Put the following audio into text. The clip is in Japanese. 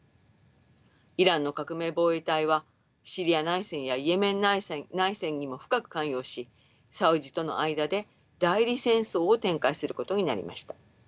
イランの革命防衛隊はシリア内戦やイエメン内戦にも深く関与しサウジとの間で代理戦争を展開することになりました。